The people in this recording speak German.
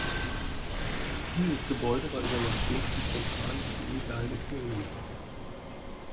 Dieses Gebäude war über Jahrzehnte die Zentrale des illegalen Imperiums.